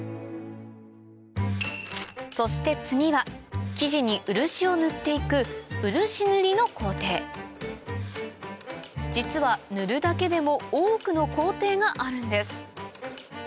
そして次は木地に漆を塗って行く漆塗りの工程実は塗るだけでも多くの工程があるんです